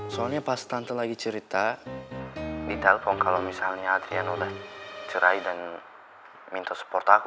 soalnya pas tante lagi cerita ditelepon kalo misalnya adriana udah cerai dan minta support aku